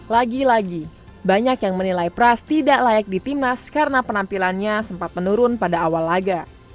lagi lagi banyak yang menilai pras tidak layak di timnas karena penampilannya sempat menurun pada awal laga